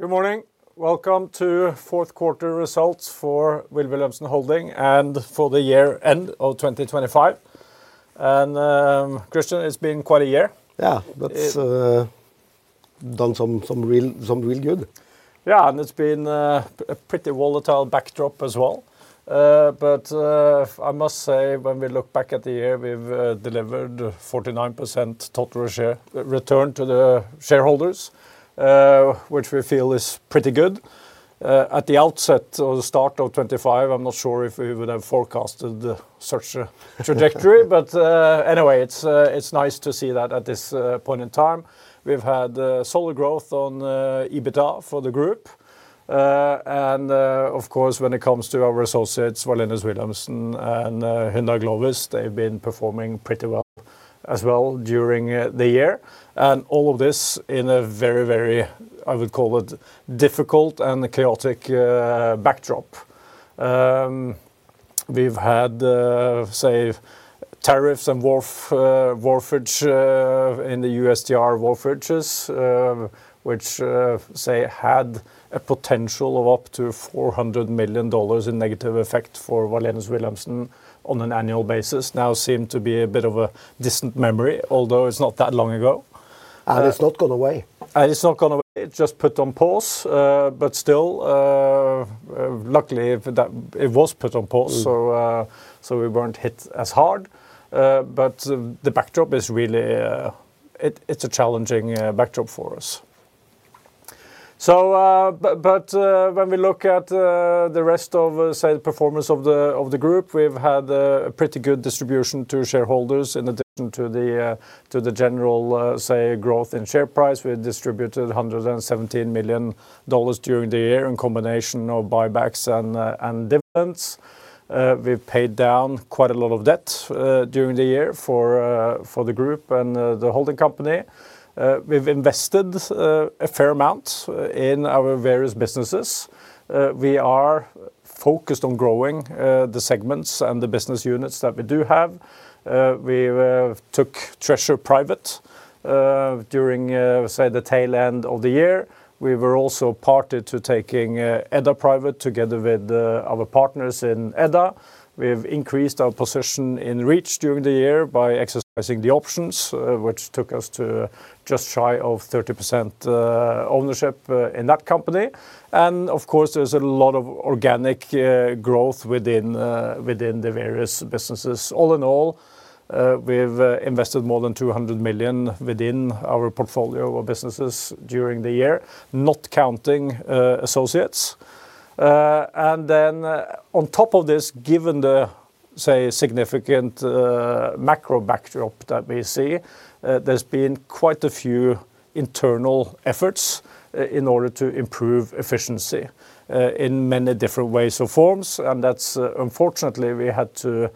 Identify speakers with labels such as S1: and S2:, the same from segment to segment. S1: Good morning. Welcome to fourth quarter results for Wilh. Wilhelmsen Holding and for the year end of 2025. Christian, it's been quite a year.
S2: Yeah.
S1: It-
S2: That's done some real good.
S1: Yeah, and it's been a pretty volatile backdrop as well. But I must say, when we look back at the year, we've delivered 49% total share return to the shareholders, which we feel is pretty good. At the outset or the start of 2025, I'm not sure if we would have forecasted such a trajectory. But anyway, it's nice to see that at this point in time. We've had solid growth on EBITDA for the group. And of course, when it comes to our associates, Wallenius Wilhelmsen and Hyundai Glovis, they've been performing pretty well as well during the year. And all of this in a very, very, I would call it, difficult and chaotic backdrop. We've had tariffs and wharfage in the USD wharfages, which had a potential of up to $400 million in negative effect for Wallenius Wilhelmsen on an annual basis, now seem to be a bit of a distant memory, although it's not that long ago.
S2: It's not gone away.
S1: It's not gone away. It's just put on pause, but still, luckily, that it was put on pause-
S2: Mm...
S1: so we weren't hit as hard. But the backdrop is really, it's a challenging backdrop for us. So, but when we look at the rest of, say, the performance of the group, we've had a pretty good distribution to shareholders in addition to the general, say, growth in share price. We distributed $117 million during the year in combination of buybacks and dividends. We've paid down quite a lot of debt during the year for the group and the holding company. We've invested a fair amount in our various businesses. We are focused on growing the segments and the business units that we do have. We took Treasure private during, say, the tail end of the year. We were also party to taking Edda private, together with our partners in Edda. We've increased our position in Reach during the year by exercising the options, which took us to just shy of 30% ownership in that company. And of course, there's a lot of organic growth within the various businesses. All in all, we've invested more than $200 million within our portfolio of businesses during the year, not counting associates. And then, on top of this, given the, say, significant macro backdrop that we see, there's been quite a few internal efforts in order to improve efficiency in many different ways or forms. And that's... Unfortunately, we had to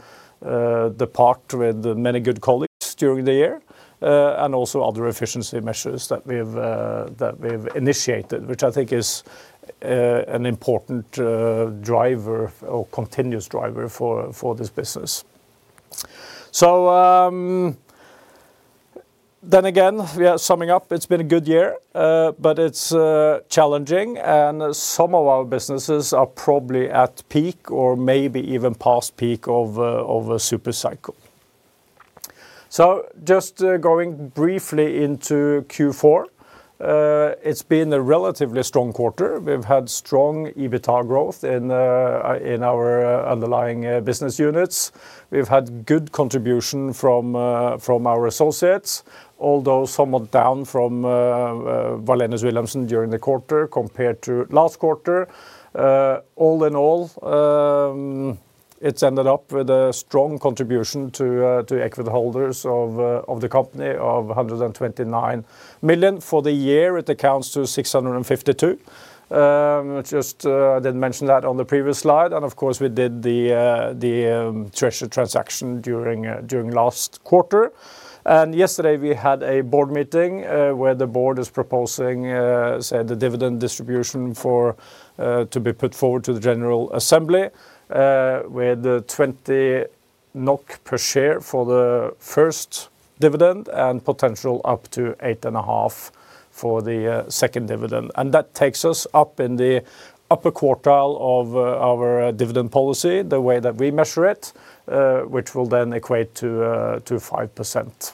S1: depart with many good colleagues during the year, and also other efficiency measures that we've initiated, which I think is an important driver or continuous driver for this business. So, then again, summing up, it's been a good year, but it's challenging, and some of our businesses are probably at peak or maybe even past peak of a super cycle. So just going briefly into Q4, it's been a relatively strong quarter. We've had strong EBITDA growth in our underlying business units. We've had good contribution from our associates, although somewhat down from Wallenius Wilhelmsen during the quarter, compared to last quarter. All in all, it's ended up with a strong contribution to equity holders of the company, of $129 million. For the year, it accounts to $652 million. Just, I didn't mention that on the previous slide, and of course, we did the Treasure transaction during last quarter. Yesterday, we had a board meeting, where the board is proposing the dividend distribution for to be put forward to the General Assembly, with 20 NOK per share for the first dividend, and potential up to 8.5 for the second dividend. And that takes us up in the upper quartile of our dividend policy, the way that we measure it, which will then equate to 5%.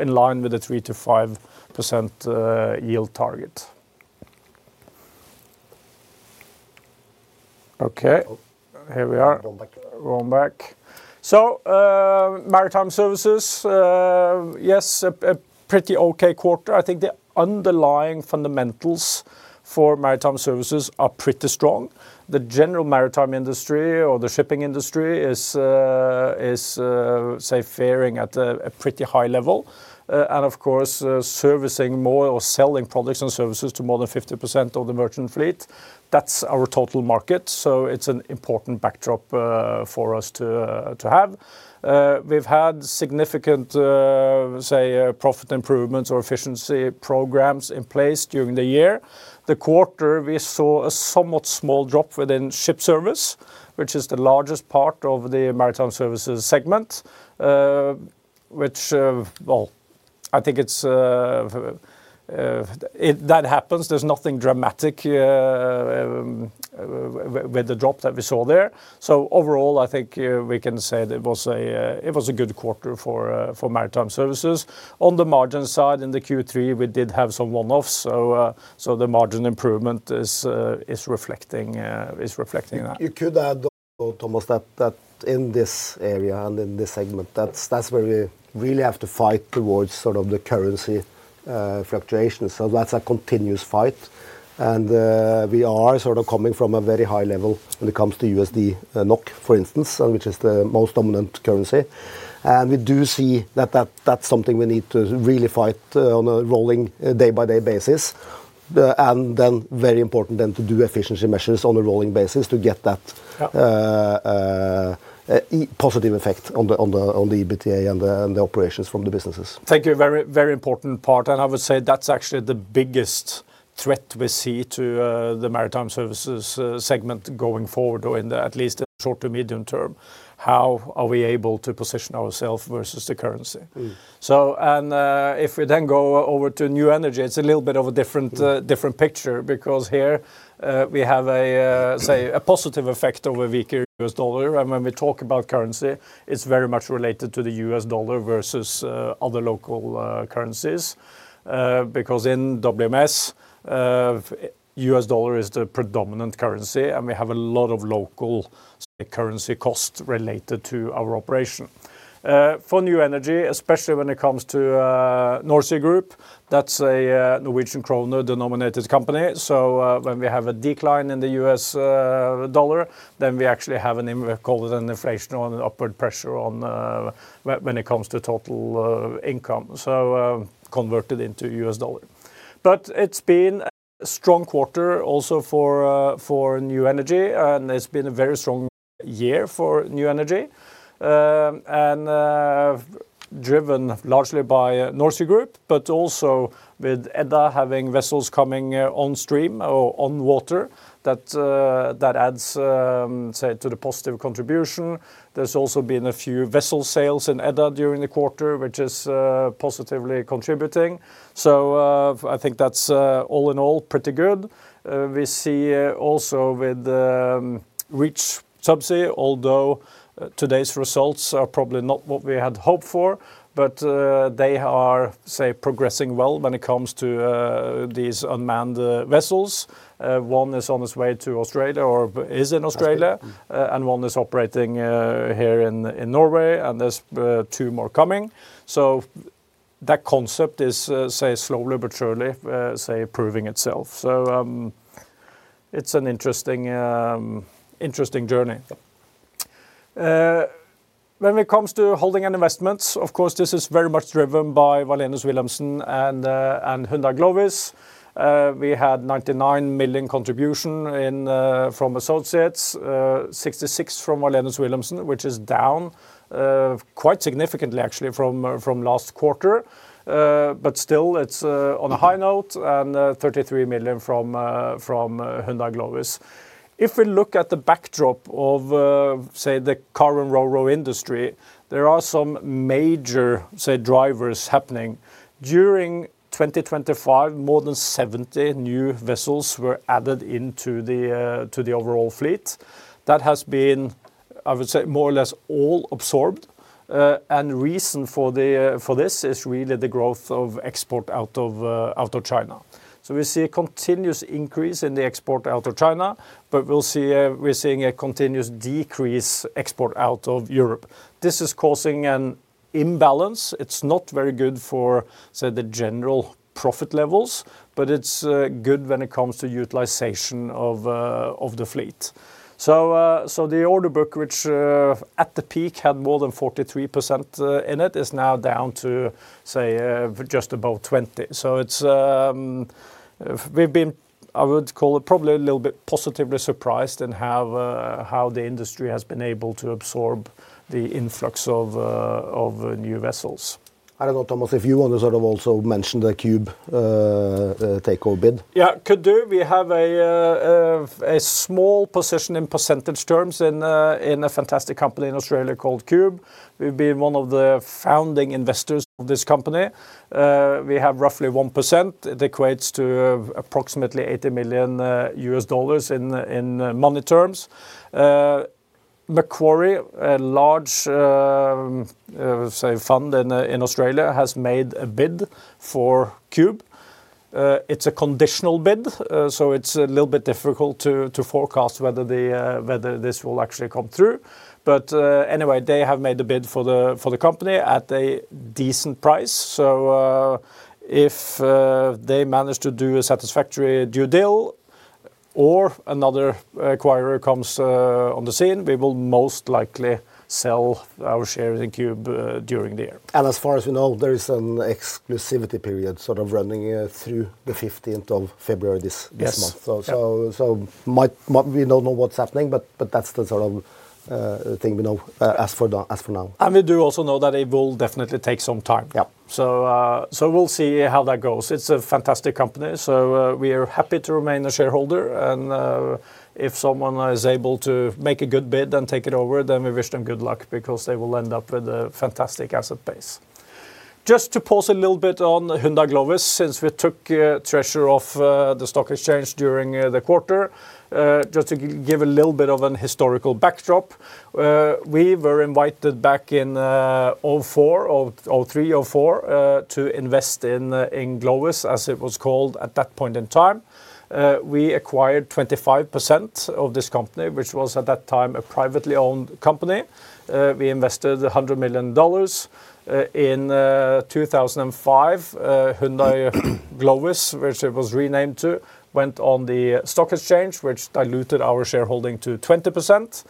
S1: In line with the 3%-5% yield target. Okay.
S2: Oh.
S1: Here we are.
S2: Roll back.
S1: Roll back. So, Maritime Services, yes, a pretty okay quarter. I think the underlying fundamentals for Maritime Services are pretty strong. The general maritime industry or the shipping industry is faring at a pretty high level. And of course, servicing more or selling products and services to more than 50% of the merchant fleet, that's our total market, so it's an important backdrop for us to have. We've had significant profit improvements or efficiency programs in place during the year. The quarter, we saw a somewhat small drop within Ship Service, which is the largest part of the Maritime Services segment. I think it's that happens. There's nothing dramatic with the drop that we saw there. So overall, I think we can say that it was a good quarter for Maritime Services. On the margin side, in the Q3, we did have some one-offs, so the margin improvement is reflecting that.
S2: You could add, though, Thomas, that in this area and in this segment, that's where we really have to fight toward sort of the currency fluctuations. So that's a continuous fight, and we are sort of coming from a very high level when it comes to USD, NOK, for instance, which is the most dominant currency. And we do see that that's something we need to really fight on a rolling, day-by-day basis. And then very important to do efficiency measures on a rolling basis to get that-
S1: Yeah...
S2: positive effect on the EBITDA and the operations from the businesses.
S1: Thank you. Very, very important part, and I would say that's actually the biggest threat we see to the Maritime Services segment going forward, or in at least the short to medium term. How are we able to position ourselves versus the currency?
S2: Mm.
S1: So, if we then go over to New Energy, it's a little bit of a different-
S2: Mm...
S1: different picture because here we have a, say, a positive effect of a weaker US dollar. When we talk about currency, it's very much related to the US dollar versus other local currencies. Because in WMS, US dollar is the predominant currency, and we have a lot of local currency costs related to our operation. For New Energy, especially when it comes to NorSea Group, that's a Norwegian kroner-denominated company. So, when we have a decline in the US dollar, then we actually have an in... we call it an inflation on upward pressure on, when it comes to total income, so, converted into US dollar. But it's been a strong quarter also for New Energy, and it's been a very strong year for New Energy. Driven largely by NorSea Group, but also with Edda having vessels coming on stream or on water, that adds, say, to the positive contribution. There's also been a few vessel sales in Edda during the quarter, which is positively contributing. So, I think that's all in all, pretty good. We see also with Reach Subsea, although today's results are probably not what we had hoped for, but they are, say, progressing well when it comes to these unmanned vessels. One is on its way to Australia or is in Australia-
S2: Australia...
S1: and one is operating here in Norway, and there's two more coming. So that concept is slowly but surely proving itself. So, it's an interesting, interesting journey.
S2: Yeah.
S1: When it comes to Holding and Investments, of course, this is very much driven by Wallenius Wilhelmsen and Hyundai Glovis. We had a $99 million contribution from associates, $66 million from Wallenius Wilhelmsen, which is down quite significantly, actually, from last quarter. But still, it's on a high note-
S2: Mm...
S1: and thirty-three million from Hyundai Glovis. If we look at the backdrop of say the car and Ro-Ro industry, there are some major say drivers happening. During 2025, more than 70 new vessels were added into to the overall fleet. That has been, I would say, more or less all absorbed. And reason for the for this is really the growth of export out of out of China. So we see a continuous increase in the export out of China, but we're seeing a continuous decrease export out of Europe. This is causing an imbalance. It's not very good for say the general profit levels, but it's good when it comes to utilization of of the fleet. So, so the order book, which, at the peak, had more than 43% in it, is now down to, say, just about 20. So it's... we've been, I would call it, probably a little bit positively surprised in how, how the industry has been able to absorb the influx of, of, new vessels.
S2: I don't know, Thomas, if you want to sort of also mention the Qube takeover bid?
S1: Yeah, could do. We have a small position in percentage terms in a fantastic company in Australia called Qube. We've been one of the founding investors of this company. We have roughly 1%. It equates to approximately $80 million in money terms. Macquarie, a large fund in Australia, has made a bid for Qube. It's a conditional bid, so it's a little bit difficult to forecast whether this will actually come through. But anyway, they have made a bid for the company at a decent price. So, if they manage to do a satisfactory due diligence or another acquirer comes on the scene, we will most likely sell our shares in Qube during the year.
S2: As far as we know, there is an exclusivity period sort of running through the 15th of February this-
S1: Yes...
S2: this month.
S1: Yeah.
S2: So we don't know what's happening, but that's the sort of thing we know as for now.
S1: We do also know that it will definitely take some time.
S2: Yep.
S1: So, we'll see how that goes. It's a fantastic company, so, we are happy to remain a shareholder, and, if someone is able to make a good bid and take it over, then we wish them good luck because they will end up with a fantastic asset base. Just to pause a little bit on Hyundai Glovis, since we took Treasure off the stock exchange during the quarter. Just to give a little bit of an historical backdrop. We were invited back in 2004 or 2003, 2004, to invest in in Glovis, as it was called at that point in time. We acquired 25% of this company, which was, at that time, a privately owned company. We invested $100 million. In 2005, Hyundai Glovis, which it was renamed to, went on the stock exchange, which diluted our shareholding to 20%.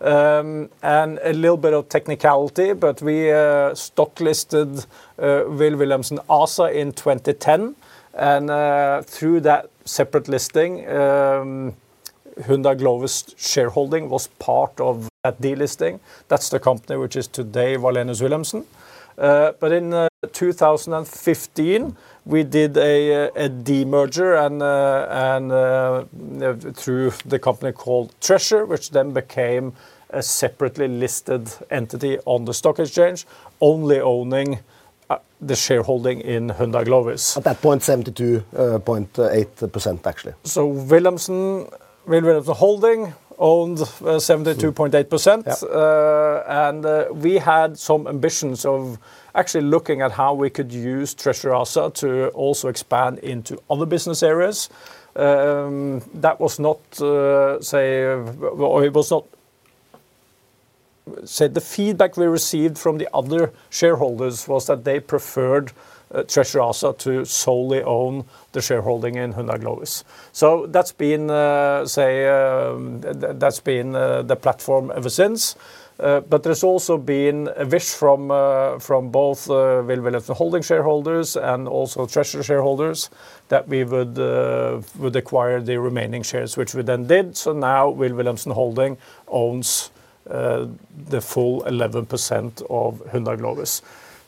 S1: A little bit of technicality, but we stock listed Wilh. Wilhelmsen ASA in 2010, and through that separate listing, Hyundai Glovis shareholding was part of that delisting. That's the company which is today Wallenius Wilhelmsen. In 2015, we did a demerger and through the company called Treasure, which then became a separately listed entity on the stock exchange, only owning the shareholding in Hyundai Glovis.
S2: At that point, 72.8%, actually.
S1: Wilhelmsen Holding owned 72.8%.
S2: Yep.
S1: We had some ambitions of actually looking at how we could use Treasure ASA to also expand into other business areas. That was not, well, it was not. The feedback we received from the other shareholders was that they preferred Treasure ASA to solely own the shareholding in Hyundai Glovis. So that's been the platform ever since. But there's also been a wish from both Wilh. Wilhelmsen Holding shareholders and also Treasure shareholders, that we would acquire the remaining shares, which we then did. So now, Wilh. Wilhelmsen Holding owns the full 11% of Hyundai Glovis.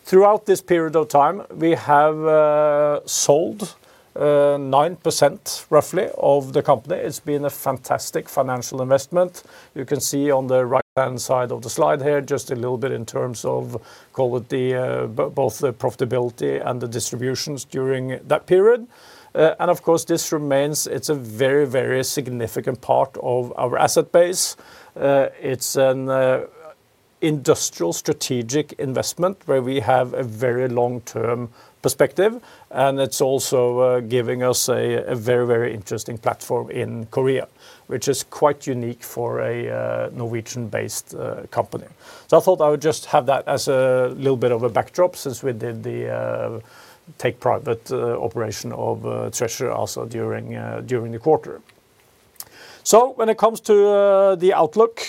S1: Throughout this period of time, we have sold 9%, roughly, of the company. It's been a fantastic financial investment. You can see on the right-hand side of the slide here, just a little bit in terms of quality, both the profitability and the distributions during that period. And of course, this remains. It's a very, very significant part of our asset base. It's an industrial strategic investment, where we have a very long-term perspective, and it's also giving us a very, very interesting platform in Korea, which is quite unique for a Norwegian-based company. So I thought I would just have that as a little bit of a backdrop, since we did the take private operation of Treasure also during the quarter. So when it comes to the outlook,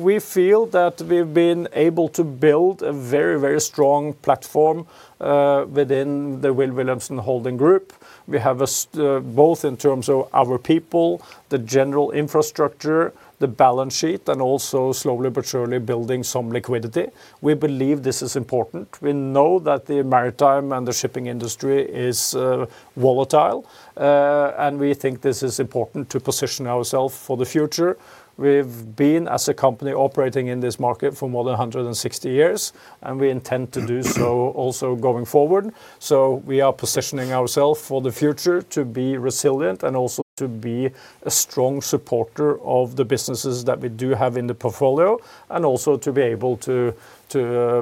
S1: we feel that we've been able to build a very, very strong platform within the Wilh. Wilhelmsen Holding group. We have both in terms of our people, the general infrastructure, the balance sheet, and also slowly but surely building some liquidity. We believe this is important. We know that the maritime and the shipping industry is volatile, and we think this is important to position ourselves for the future. We've been, as a company, operating in this market for more than 160 years, and we intend to do so also going forward. So we are positioning ourselves for the future to be resilient and also to be a strong supporter of the businesses that we do have in the portfolio, and also to be able to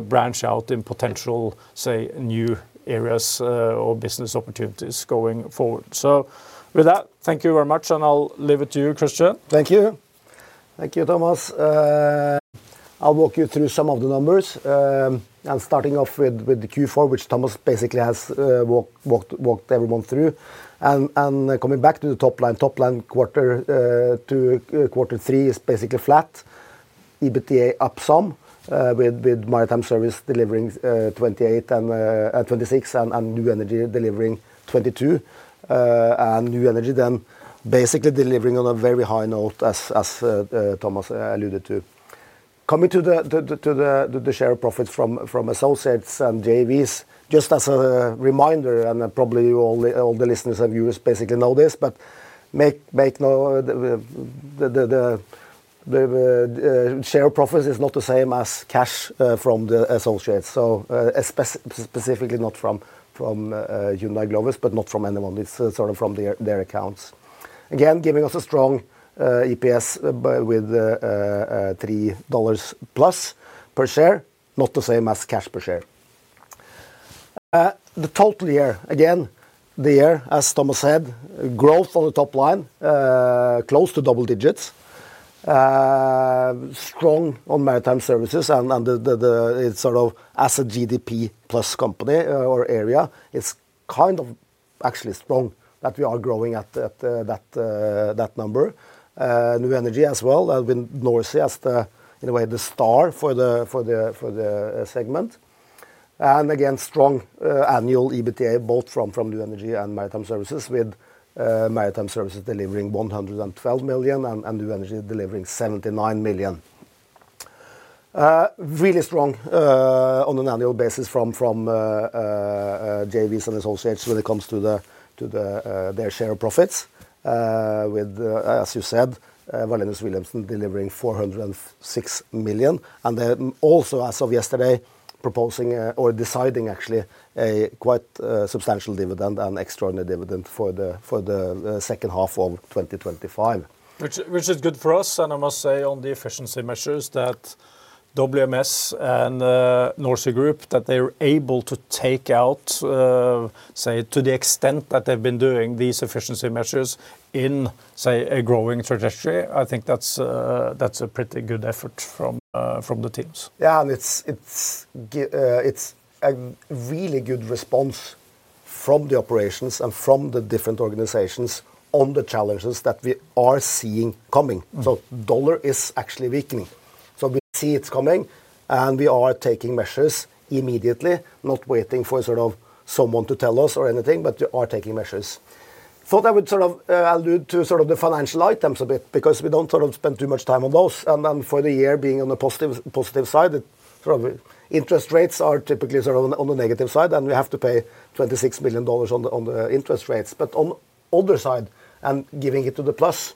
S1: branch out in potential, say, new areas, or business opportunities going forward. So with that, thank you very much, and I'll leave it to you, Christian.
S2: Thank you. Thank you, Thomas. I'll walk you through some of the numbers. And starting off with the Q4, which Thomas basically has walked everyone through. And coming back to the top line, top line quarter to quarter three is basically flat. EBITDA up some, with Maritime Services delivering $28 and $26, and New Energy delivering $22. And New Energy then basically delivering on a very high note, as Thomas alluded to. Coming to the share of profits from associates and JVs, just as a reminder, and probably all the listeners and viewers basically know this, but the share of profits is not the same as cash from the associates. So, specifically not from, from, Hyundai Glovis, but not from anyone. It's sort of from their, their accounts. Again, giving us a strong EPS with $3+ per share, not the same as cash per share. The total year, again, the year, as Thomas said, growth on the top line close to double digits. Strong on Maritime Services and the. It's sort of as a GDP plus company or area, it's kind of actually strong that we are growing at that number. New Energy as well have been NorSea as the, in a way, the star for the segment. And again, strong, annual EBITDA, both from New Energy and Maritime Services, with Maritime Services delivering $112 million and New Energy delivering $79 million. Really strong, on an annual basis from JV's and associates when it comes to the, to the their share of profits. With, as you said, Wallenius Wilhelmsen delivering $406 million, and then also, as of yesterday, proposing, or deciding actually, a quite substantial dividend and extraordinary dividend for the, for the the second half of 2025.
S1: Which is good for us, and I must say on the efficiency measures that WMS and NorSea Group, that they are able to take out, say, to the extent that they've been doing these efficiency measures in, say, a growing trajectory. I think that's a pretty good effort from the teams.
S2: Yeah, and it's a really good response from the operations and from the different organizations on the challenges that we are seeing coming.
S1: Mm.
S2: So dollar is actually weakening. So we see it's coming, and we are taking measures immediately, not waiting for sort of someone to tell us or anything, but we are taking measures. Thought I would sort of allude to sort of the financial items a bit because we don't sort of spend too much time on those, and for the year being on the positive, positive side, sort of interest rates are typically sort of on the, on the negative side, and we have to pay $26 billion on the, on the interest rates. But on the other side, and giving it to the plus,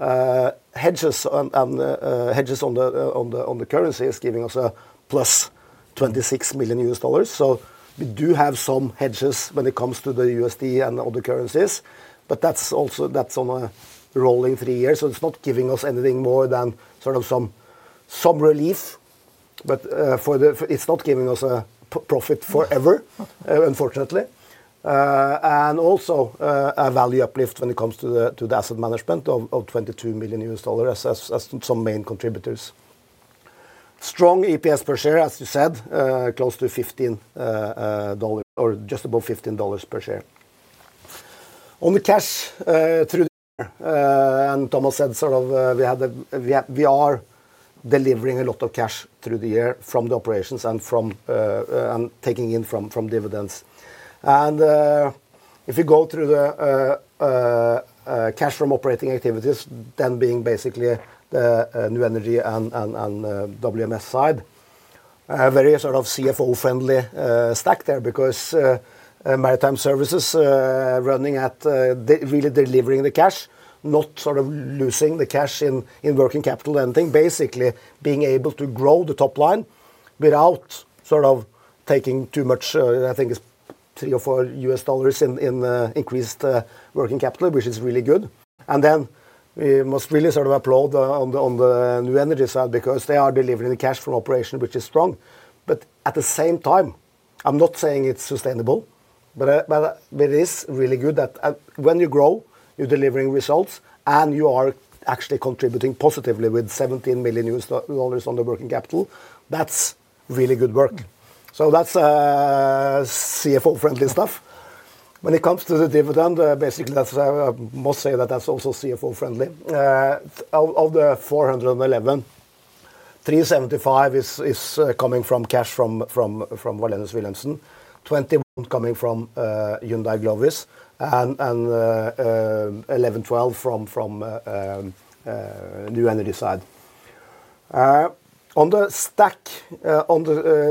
S2: hedges and hedges on the currency is giving us a plus $26 million. So we do have some hedges when it comes to the USD and other currencies, but that's also... That's on a rolling three years, so it's not giving us anything more than sort of some relief, but it's not giving us a profit forever.
S1: Mm...
S2: unfortunately. And also, a value uplift when it comes to the asset management of $22 million, as some main contributors. Strong EPS per share, as you said, close to $15 or just above $15 per share. On the cash through the year, and Thomas said sort of, we are delivering a lot of cash through the year from the operations and from taking in from dividends. If you go through the cash from operating activities, then being basically the New Energy and WMS side, a very sort of CFO-friendly stack there because Maritime Services running at really delivering the cash, not sort of losing the cash in working capital and then basically being able to grow the top line without sort of taking too much, I think it's $3-$4 in increased working capital, which is really good. Then we must really sort of applaud on the New Energy side because they are delivering the cash flow operation, which is strong. But at the same time, I'm not saying it's sustainable, but it is really good that when you grow, you're delivering results and you are actually contributing positively with $17 million on the working capital. That's really good work. So that's CFO-friendly stuff. When it comes to the dividend, basically, that's I must say that that's also CFO friendly. Of the 411, 375 is coming from cash from Wallenius Wilhelmsen. 21 coming from Hyundai Glovis and 11, 12 from New Energy side. On the stack,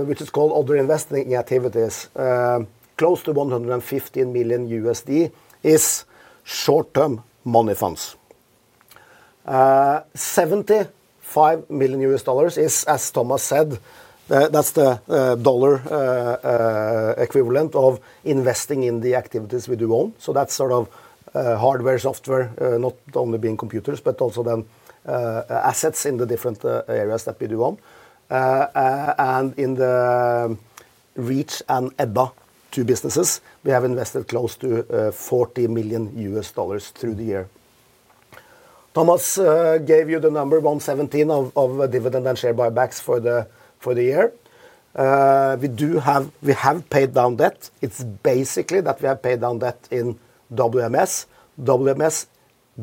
S2: which is called other investing activities, close to $115 million is short-term money funds. $75 million is, as Thomas said, that's the dollar equivalent of investing in the activities we do own. So that's sort of hardware, software, not only being computers, but also then assets in the different areas that we do own. And in the Reach and Edda, two businesses, we have invested close to $40 million through the year. Thomas gave you the number $117 million of a dividend and share buybacks for the year. We have paid down debt. It's basically that we have paid down debt in WMS. WMS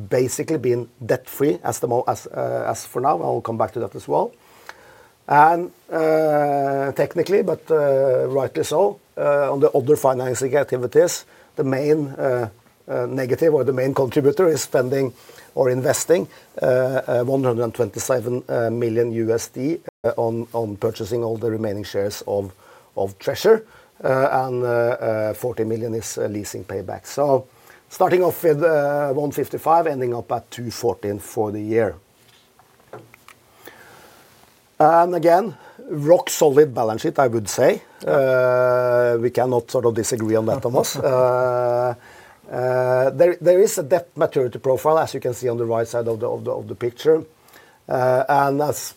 S2: basically being debt free as for now, I'll come back to that as well. Technically, but rightly so, on the other financing activities, the main negative or the main contributor is spending or investing $127 million on purchasing all the remaining shares of Treasure, and $40 million is leasing payback. So starting off with $155, ending up at $214 for the year. And again, rock solid balance sheet, I would say. We cannot sort of disagree on that, Thomas. There is a debt maturity profile, as you can see on the right side of the picture. And as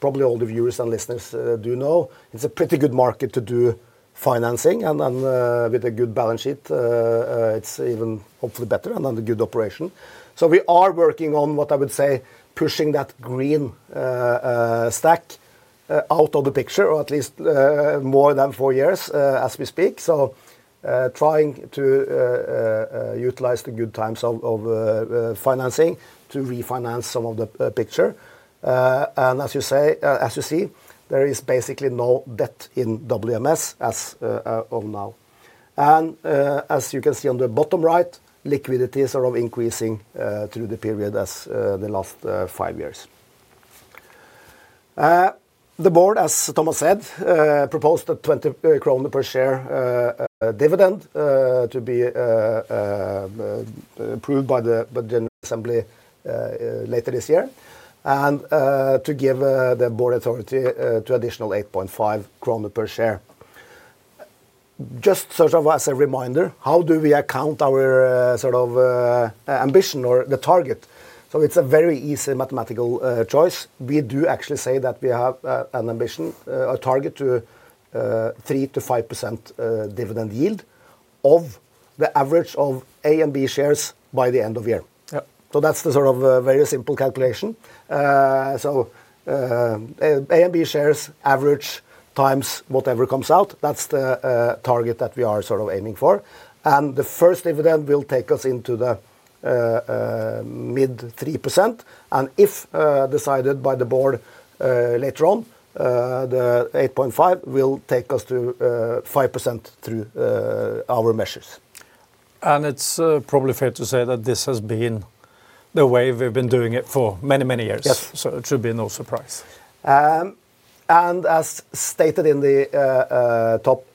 S2: probably all the viewers and listeners do know, it's a pretty good market to do financing and with a good balance sheet, it's even hopefully better and under good operation. So we are working on, what I would say, pushing that green stack out of the picture, or at least, more than four years, as we speak. So, trying to utilize the good times of financing to refinance some of the picture. And as you say, as you see, there is basically no debt in WMS as of now. And, as you can see on the bottom right, liquidity is sort of increasing through the period as the last five years. The board, as Thomas said, proposed a 20 kroner per share dividend to be approved by the general assembly later this year. To give the board authority to additional 8.5 kroner per share. Just sort of as a reminder, how do we account our sort of ambition or the target? So it's a very easy mathematical choice. We do actually say that we have an ambition, a target to 3%-5% dividend yield of the average of A and B shares by the end of year.
S1: Yep.
S2: That's the sort of very simple calculation. A and B shares average times whatever comes out, that's the target that we are sort of aiming for. The first dividend will take us into the mid-3%, and if decided by the board later on, the 8.5 will take us to 5% through our measures.
S1: It's probably fair to say that this has been the way we've been doing it for many, many years.
S2: Yes.
S1: So it should be no surprise.
S2: And as stated in the top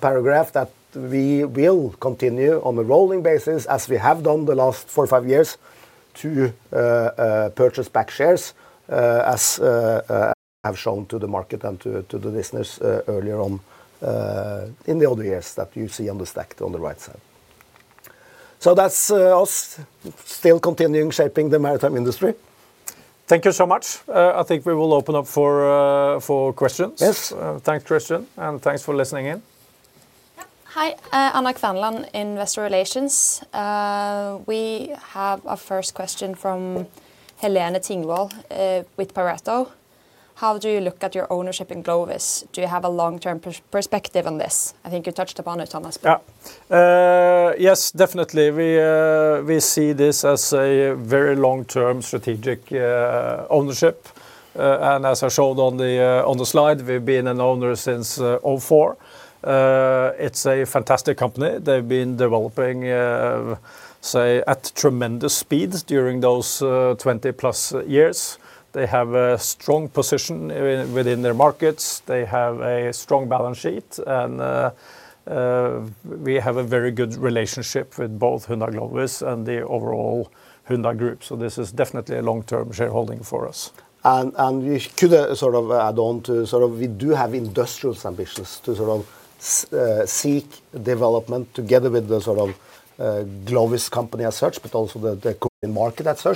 S2: paragraph, that we will continue on a rolling basis, as we have done the last four or five years, to purchase back shares, as I have shown to the market and to the business earlier on in the other years that you see on the stacked on the right side. So that's us still continuing shaping the maritime industry.
S1: Thank you so much. I think we will open up for questions.
S2: Yes.
S1: Thanks, Christian, and thanks for listening in.
S3: Yeah. Hi, Anna Kvanlan, Investor Relations. We have a first question from Helene Tingvoll with Pareto. How do you look at your ownership in Glovis? Do you have a long-term perspective on this? I think you touched upon it, Thomas.
S1: Yeah. Yes, definitely. We, we see this as a very long-term strategic ownership. And as I showed on the, on the slide, we've been an owner since 2004. It's a fantastic company. They've been developing, say, at tremendous speeds during those 20+ years. They have a strong position within their markets. They have a strong balance sheet, and we have a very good relationship with both Hyundai Glovis and the overall Hyundai Group. So this is definitely a long-term shareholding for us.
S2: And we could sort of add on to sort of we do have industrial ambitions to sort of seek development together with the sort of Glovis company as such, but also the Korean market as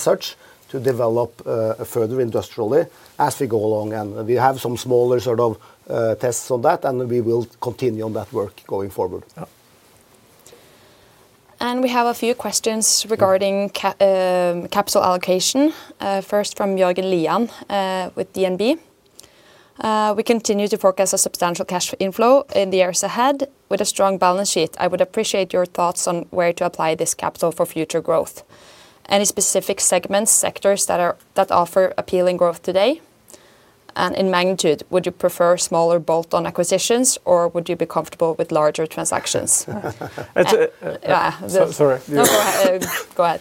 S2: such, to develop further industrially as we go along. And we have some smaller sort of tests on that, and we will continue on that work going forward.
S1: Yeah.
S3: We have a few questions-
S1: Mm...
S3: regarding capital allocation, first from Jørgen Lian with DNB. We continue to forecast a substantial cash inflow in the years ahead with a strong balance sheet. I would appreciate your thoughts on where to apply this capital for future growth. Any specific segments, sectors that offer appealing growth today? And in magnitude, would you prefer smaller bolt-on acquisitions, or would you be comfortable with larger transactions?
S1: It's a-
S3: Yeah.
S1: So sorry.
S3: No, go ahead. Go ahead.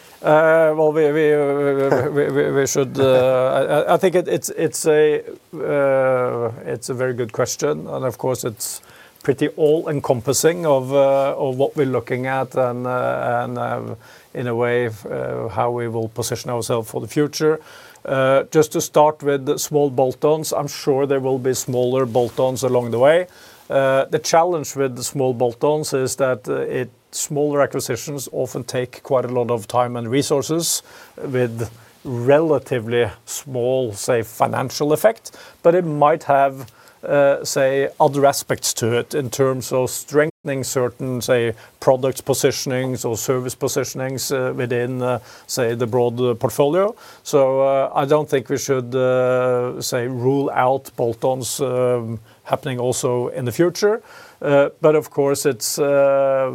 S1: Well, we should... I think it's a very good question, and of course, it's pretty all-encompassing of what we're looking at, and in a way, of how we will position ourself for the future. Just to start with the small bolt-ons, I'm sure there will be smaller bolt-ons along the way. The challenge with the small bolt-ons is that smaller acquisitions often take quite a lot of time and resources with relatively small, say, financial effect, but it might have, say, other aspects to it in terms of strengthening certain, say, product positionings or service positionings, within, say, the broad portfolio. So, I don't think we should, say, rule out bolt-ons happening also in the future. But of course, it's a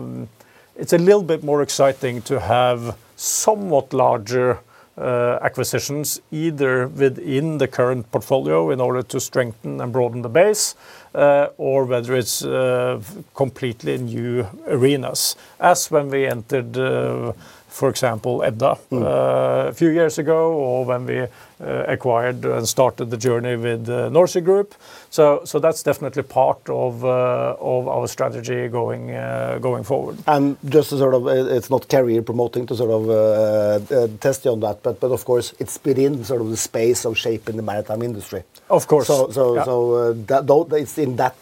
S1: little bit more exciting to have somewhat larger acquisitions, either within the current portfolio in order to strengthen and broaden the base, or whether it's completely new arenas, as when we entered, for example, Edda-
S2: Mm...
S1: a few years ago, or when we acquired and started the journey with NorSea Group. So that's definitely part of our strategy going forward.
S2: And just to sort of... it's not career-promoting to sort of test on that, but of course, it's been in sort of the space of shaping the maritime industry.
S1: Of course.
S2: So, so-
S1: Yeah...
S2: so, that, though, it's in that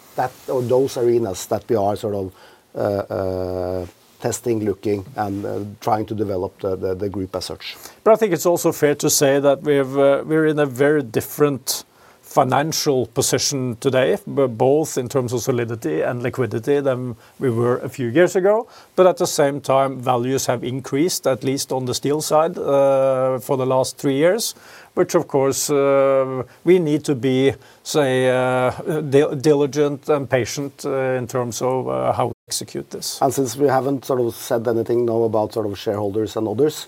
S2: or those arenas that we are sort of testing, looking, and trying to develop the group as such.
S1: But I think it's also fair to say that we're in a very different financial position today, both in terms of solidity and liquidity than we were a few years ago. But at the same time, values have increased, at least on the steel side, for the last three years, which of course we need to be diligent and patient in terms of how we execute this.
S2: Since we haven't sort of said anything now about sort of shareholders and others,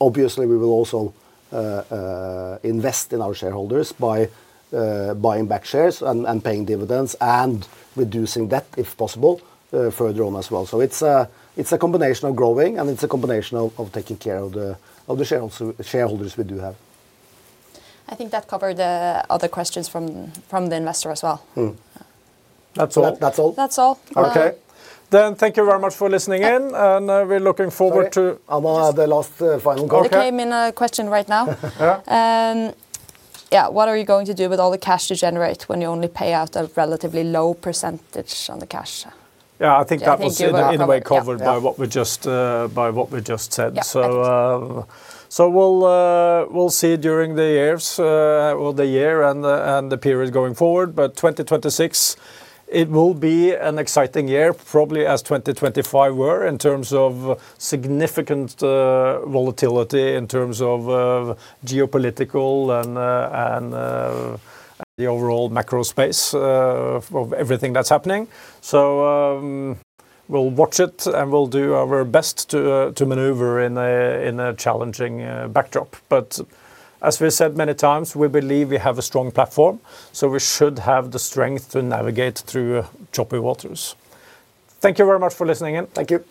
S2: obviously, we will also invest in our shareholders by buying back shares and paying dividends and reducing debt, if possible, further on as well. So it's a combination of growing, and it's a combination of taking care of the shareholders we do have.
S3: I think that covered the other questions from, from the investor as well.
S1: Mm. That's all?
S2: That's all.
S3: That's all.
S1: Okay.
S3: Um-
S1: Thank you very much for listening in.
S3: Yeah...
S1: and, we're looking forward to-
S2: Sorry, Anna, the last, final question.
S3: There came in a question right now.
S2: Yeah.
S3: Yeah, what are you going to do with all the cash you generate when you only pay out a relatively low percentage on the cash?
S1: Yeah, I think that was-
S3: I think you were-...
S1: in a way covered-
S3: Yeah...
S1: by what we just said.
S3: Yeah, thank you.
S1: So, we'll see during the years, or the year and the period going forward, but 2026, it will be an exciting year, probably as 2025 were, in terms of significant volatility, in terms of geopolitical and the overall macro space of everything that's happening. So, we'll watch it, and we'll do our best to maneuver in a challenging backdrop. But as we said many times, we believe we have a strong platform, so we should have the strength to navigate through choppy waters. Thank you very much for listening in.
S2: Thank you.